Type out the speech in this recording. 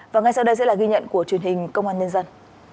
và ngay sau đây sẽ là ghi nhận của truyền hình công an nhân dân